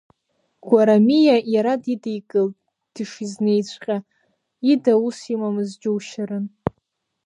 Гәарамиа иара дидикылеит дышнеизҵәҟьа, ида ус имамыз џьушьарын.